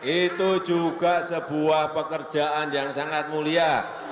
itu juga sebuah pekerjaan yang sangat mulia